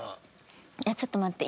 ちょっと待って。